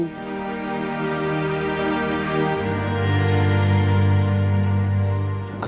jadi kami berkata kita harus berjalan jauh